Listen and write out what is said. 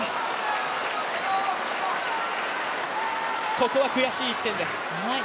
ここは悔しい１点です。